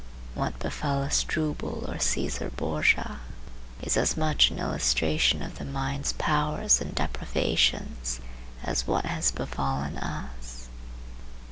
What befell Asdrubal or Cæsar Borgia is as much an illustration of the mind's powers and depravations as what has befallen us.